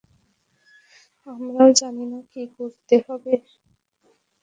আমরাও জানি না কী করতে হবে।